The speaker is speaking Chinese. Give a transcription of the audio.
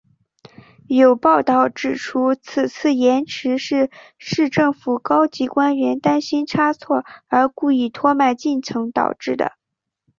有报导指出此次延迟是市政府高级官员担心差错而故意拖慢进程导致的。